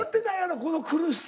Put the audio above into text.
この苦しさ。